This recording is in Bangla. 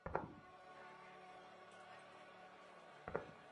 উনি চেষ্টা করছেন।